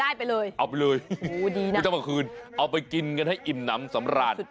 ได้ไปเลยเอาไปเลยไม่ต้องมาคืนเอาไปกินกันให้อิ่มน้ำสำราญ